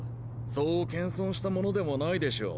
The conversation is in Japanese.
そう謙遜したものでもないでしょう。